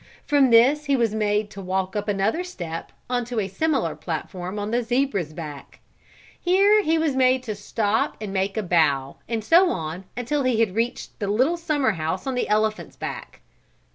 From this he was made to walk up another step onto a similar platform on the zebra's back; here he was made to stop and make a bow and so on until he had reached the little summer house on the elephant's back.